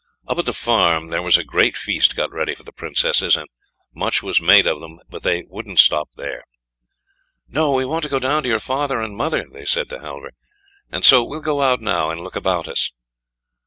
Up at the farm there was a great feast got ready for the Princesses, and much was made of them, but they wouldn't stop there. "No, we want to go down to your father and mother," they said to Halvor; "and so we'll go out now and look about us."